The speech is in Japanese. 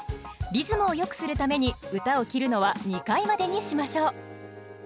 リズムをよくするために歌を切るのは２回までにしましょう。